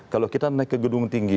kalau kita naik ke gedung tinggi